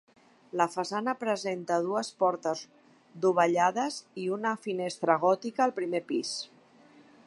La façana presenta dues portes dovellades i una finestra gòtica al primer pis.